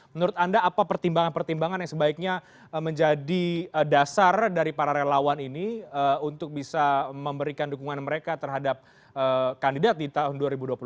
menurut anda apa pertimbangan pertimbangan yang sebaiknya menjadi dasar dari para relawan ini untuk bisa memberikan dukungan mereka terhadap kandidat di tahun dua ribu dua puluh empat